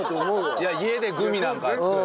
いや家でグミなんか作る。